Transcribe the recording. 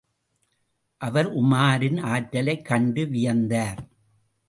அவர் உமாரின் ஆற்றலைக் கண்டு வியந்தார்.